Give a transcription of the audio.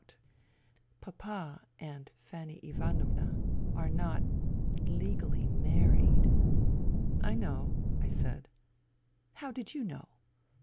B 18 FUTILITY " Papa and Fanny Ivanovna are not ... legally married." " I know," I said. " How did you know